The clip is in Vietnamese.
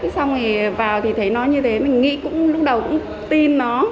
xong rồi vào thì thấy nó như thế mình nghĩ lúc đầu cũng tin nó